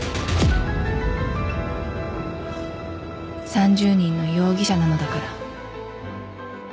３０人の容疑者なのだから